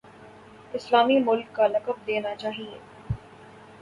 اسلامی ملک کا لقب دینا چاہیے۔